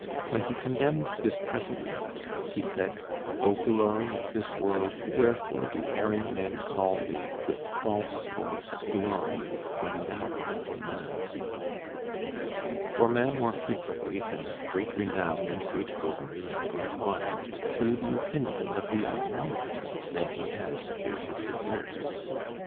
When he contemned this present life, he said: O glory of this world! wherefore do erring men call thee, with false voice, glory, when thou art none! For man more frequently has great renown, and great glory, and great honor, through the opinion of the unwise, than he has through his deserts.